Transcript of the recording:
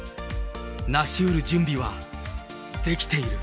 なしうる準備は出来ている。